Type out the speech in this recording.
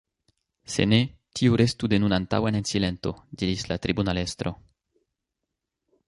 Se ne, tiu restu de nun antaŭen en silento, diris la tribunalestro.